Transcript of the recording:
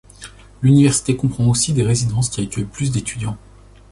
L'université comprend aussi des résidences qui accueillent plus de étudiants.